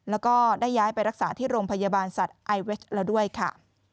แล้วก็ได้ย้ายไปรักษาที่โรงพยาบาลสัตว์ไอเว็กซ์แล้วด้วยค่ะ